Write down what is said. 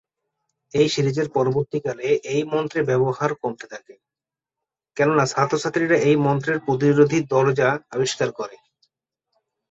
এই সিরিজের পরবর্তীকালে এই মন্ত্রে ব্যবহার কমতে থাকে, কেননা ছাত্র-ছাত্রীরা এই মন্ত্রের প্রতিরোধী দরজা আবিষ্কার করে।